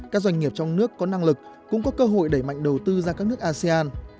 các doanh nghiệp trong nước có năng lực cũng có cơ hội đẩy mạnh đầu tư ra các nước asean